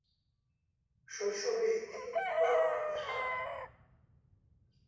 শৈশবেই তিনি বাবা-মাকে হারান।